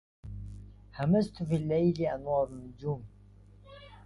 همست في الليل أنوار النجوم